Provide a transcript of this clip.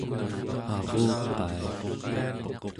aruqai